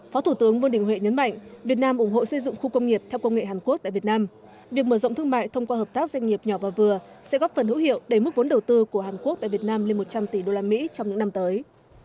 phó thủ tướng vương đình huệ nhấn mạnh việt nam ủng hộ xây dựng khu công nghiệp theo công nghệ hàn quốc tại việt nam việc mở rộng thương mại thông qua hợp tác doanh nghiệp nhỏ và vừa sẽ góp phần hữu hiệu đẩy mức vốn đầu tư của hàn quốc tại việt nam lên một trăm linh tỷ usd trong những năm tới